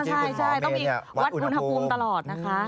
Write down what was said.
ใช่ต้องมีวัดอุณหภูมิตลอดนะคะ